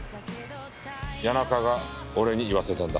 谷中が俺に言わせたんだ。